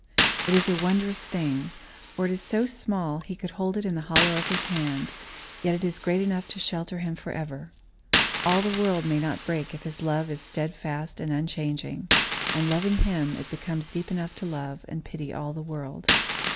It is a wondrous thing. For it is so small he could hold it in the hollow of his hand, yet it is great enough to shelter him forever. All the world may not break it if his love is steadfast and unchanging, and loving him, it becomes deep enough to love and pity all the world.